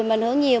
mình hướng nhiều